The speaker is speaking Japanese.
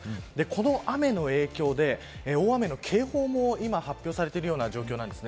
この雨の影響で大雨の警報も今発表されている状況なんです。